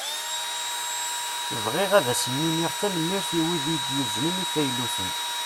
Bɣiɣ ad asen-iniɣ tanemmirt i wid i yi-d-yuznen ifayluten.